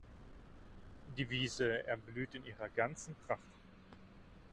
Die Wiese erblüht in ihrer ganzen Pracht.